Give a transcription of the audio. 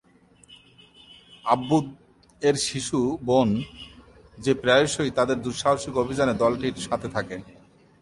আব্বুদ-এর শিশু বোন, যে প্রায়শই তাদের দুঃসাহসিক অভিযানে দলটির সাথে থাকে।